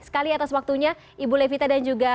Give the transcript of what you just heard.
sekali atas waktunya ibu levita dan juga